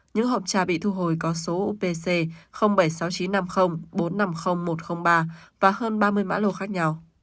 những hộp trà bị thu hồi có số upc bảy sáu chín năm không bốn năm không một không ba và hơn ba mươi mã lồ khách